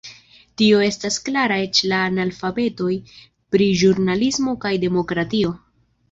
Tio estas klara eĉ al analfabetoj pri ĵurnalismo kaj demokratio.